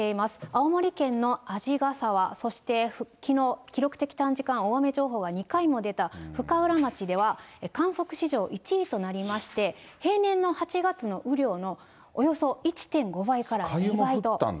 青森県の鰺ヶ沢、そしてきのう、記録的短時間大雨情報が２回も出た深浦町では、観測史上１位となりまして、平年の８月の雨量のおよそ１．５倍から２倍と。